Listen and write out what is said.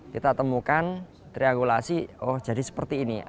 kita temukan triangulasi oh jadi seperti ini